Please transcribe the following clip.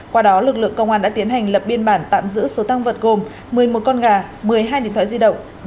qua đó lực lượng công an đã tiến hành lập biên bản tạm giữ số tăng vật gồm một mươi một con gà một mươi hai điện thoại di động